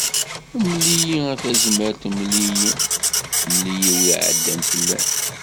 Mel-iyi a Tazmalt mel-iyi, mel-iyi win iɛeddan fell-am.